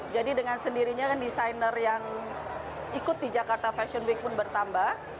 jadi dengan sendirinya kan desainer yang ikut di jakarta fashion week pun bertambah